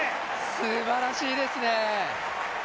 すばらしいですね。